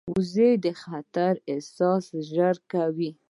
وزې د خطر احساس ژر کوي